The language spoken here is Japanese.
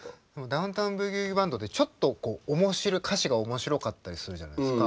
ダウン・タウン・ブギウギ・バンドってちょっと歌詞が面白かったりするじゃないですか。